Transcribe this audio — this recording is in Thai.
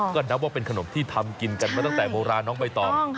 ก็นับว่าเป็นขนมที่ทำกินกันมาตั้งแต่โบราณน้องใบตอง